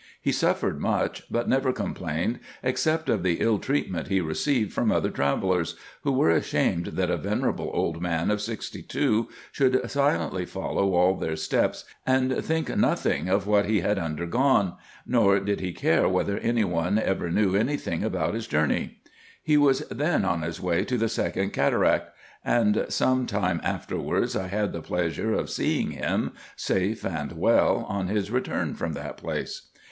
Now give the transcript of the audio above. He suffered much, but never com plained, except of the ill treatment he received from other travellers, who were ashamed that a venerable old man of sixty two should silently follow all their steps, and think nothing of what he had undergone, nor did he care Avhether any one ever knew any thing about his journey. He was then on his way to the second cataract ; and some time afterwards I had the pleasure of seeing him, safe and well, on his return from that place.